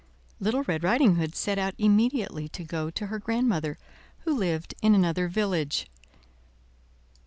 Little Red Riding Hood set out immediately to go to her grandmother, who lived in another village.